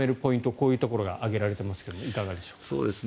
こういうところが挙げられてますがいかがでしょうか。